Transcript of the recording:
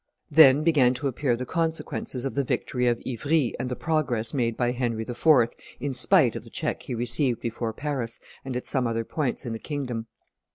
Then began to appear the consequences of the victory of Ivry and the progress made by Henry IV., in spite of the check he received before Paris and at some other points in the kingdom.